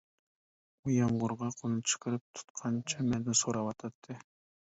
ئۇ يامغۇرغا قولنى چىقىرىپ تۇتقانچە مەندىن سوراۋاتاتتى.